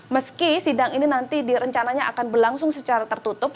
meski sidang ini nanti direncananya akan berlangsung secara tertutup